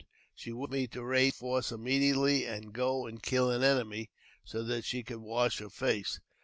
Shewishe me to raise a force immediately, and go and kill an enemy, that she could wash her face.